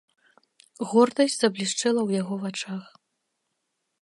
Гордасць заблішчэла ў яго вачах.